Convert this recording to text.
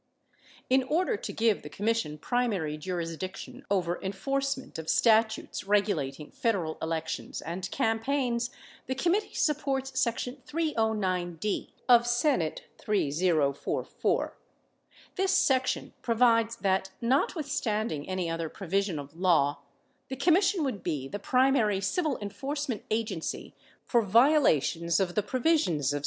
In order to give the Commission primary jurisdiction over enforce ment of statutes regulating Federal elections and campaigns the Committee supports section 309(d) of S. 3044. This section provides that, notwithstanding any other provision of law, the Commission would be the primary civil enforcement agency for violations of the 567 provisions of S.